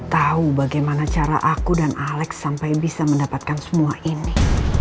tahu bagaimana cara aku dan alex sampai bisa mendapatkan semua ini